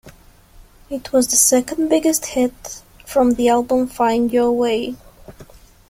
It was the second biggest hit from the album "Find Your Way".